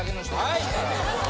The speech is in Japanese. はい。